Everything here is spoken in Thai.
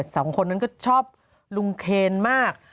สองคนนั้นก็ชอบลุงเคนมาก